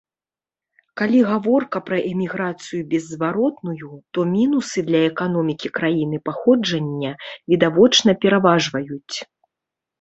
Калі гаворка пра эміграцыю беззваротную, то мінусы для эканомікі краіны паходжання відавочна пераважваюць.